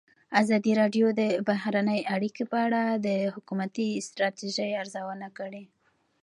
ازادي راډیو د بهرنۍ اړیکې په اړه د حکومتي ستراتیژۍ ارزونه کړې.